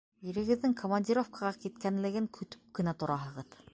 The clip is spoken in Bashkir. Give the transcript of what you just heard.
Ирегеҙҙең командировкаға киткәнлеген көтөп кенә тораһығыҙ!